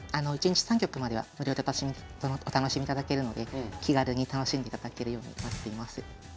１日３局までは無料でお楽しみいただけるので気軽に楽しんでいただけるようになっています。